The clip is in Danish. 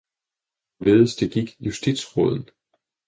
Hvorledes det gik justitsråden